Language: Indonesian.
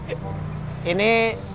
rumah pak muhyiddin ya